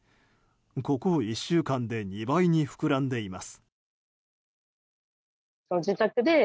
ここ１週間で２倍に膨らんでいます。